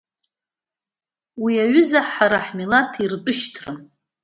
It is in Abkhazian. Уи аҩыза ҳара ҳмилаҭ иртәышьҭрам!